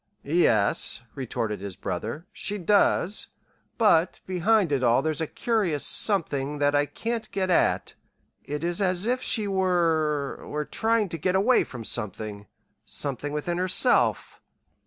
"Yes," retorted his brother, "she does; but behind it all there's a curious something that I can't get at. It is as if she were were trying to get away from something something within herself."